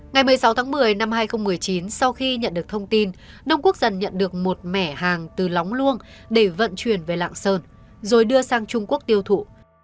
ngày một mươi sáu tháng một mươi năm hai nghìn một mươi chín sau khi nhận được thông tin đông quốc dần nhận được một mẻ hàng từ lóng luôn để vận chuyển về lạng sơn rồi đưa sang trung quốc tiêu thụ